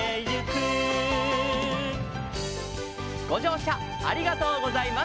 「ごじょうしゃありがとうございます」